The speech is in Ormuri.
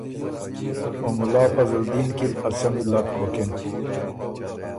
او ملا فضل دین کی ن ا څمی لک بُکِن۔